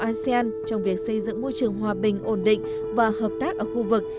asean trong việc xây dựng môi trường hòa bình ổn định và hợp tác ở khu vực